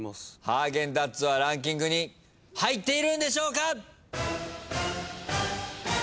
ハーゲンダッツはランキングに入っているんでしょうか？